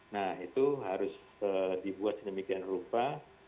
nah itu harus dibuat sedemikian rupa